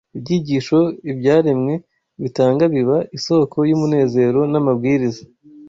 ibyigisho ibyaremwe bitanga biba isōko y’umunezero n’amabwiriza